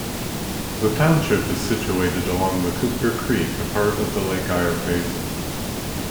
The township is situated along the Cooper Creek, apart of the Lake Eyre Basin.